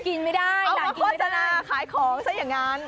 กินไม่ได้นานกินไม่ได้เอามาโฆษณาขายของซะอย่างนั้น